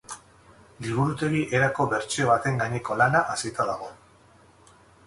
Liburutegi erako bertsio baten gaineko lana hasita dago.